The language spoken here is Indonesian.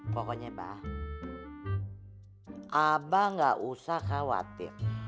pokoknya bah abah nggak usah khawatir